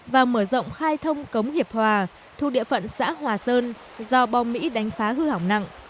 và mở rộng khai thông cống hiệp hòa thu địa phận xã hòa sơn do bom mỹ đánh phá hư hỏng nặng